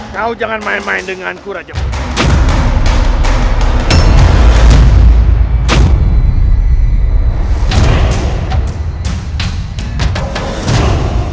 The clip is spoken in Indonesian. kau jangan main main denganku raja putih